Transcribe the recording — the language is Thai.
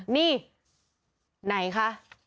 นี่ไหนคะ